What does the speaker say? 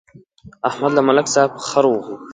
احمد له ملک صاحب خر وغوښت.